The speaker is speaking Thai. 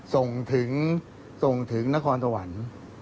ส่งถึงนครสวรรค์